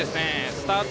スタート